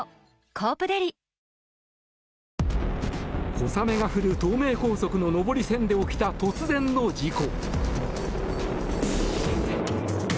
小雨が降る東名高速の上り線で起きた突然の事故。